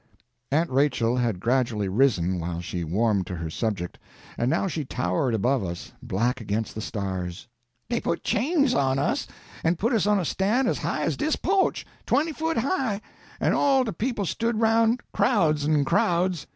Aunt Rachel had gradually risen, while she warmed to her subject, and now she towered above us, black against the stars. "Dey put chains on us an' put us on a stan' as high as dis po'ch twenty foot high an' all de people stood aroun', crowds an' crowds.